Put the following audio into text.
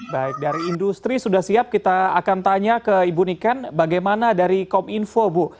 baik dari industri sudah siap kita akan tanya ke ibu niken bagaimana dari kominfo bu